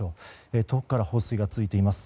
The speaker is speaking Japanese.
遠くから放水が続いています。